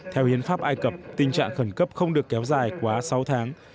theo hiến pháp ai cập tình trạng khẩn cấp không được kéo dài quá sáu tháng